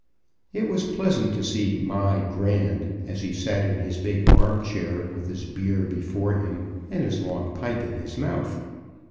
It was pleasant to see "My Grand" as he sat in his big arm chair, with his beer before him, and his long pipe in his mouth.